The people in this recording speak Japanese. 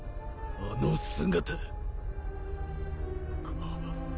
あの姿！？